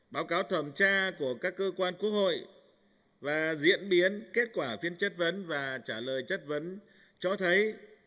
báo cáo thẩm tra của các cơ quan quốc hội và diễn biến kết quả phiên chất vấn và trả lời chất vấn cho thấy